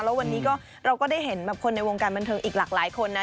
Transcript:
แล้ววันนี้ก็เราก็ได้เห็นแบบคนในวงการบันเทิงอีกหลากหลายคนนะ